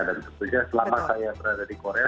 dan tentunya selama saya berada di korea